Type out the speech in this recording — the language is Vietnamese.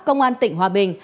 công an tỉnh hòa bình